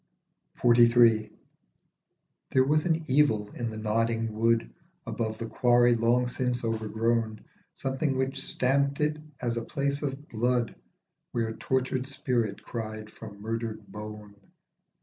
47 XLIII. THERE was an evil in the nodding wood Above the quarry long since overgrown, Something which stamped it as a place of blood Where tortured spirit cried from murdered bone.